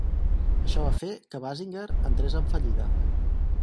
Això va fer que Basinger entrés en fallida.